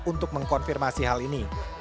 untuk mengkonfirmasi hal ini